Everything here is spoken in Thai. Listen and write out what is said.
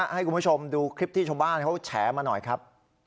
ให้คุณผู้ชมดูคลิปที่ชาวบ้านเขาแฉมาหน่อยครับ